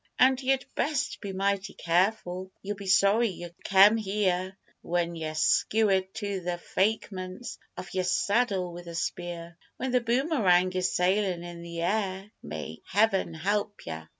But yer'd best be mighty careful, you'll be sorry you kem here When yer skewered to the fakements of yer saddle with a spear When the boomerang is sailin' in the air, may heaven help yer!